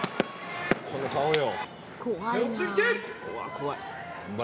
この顔よ。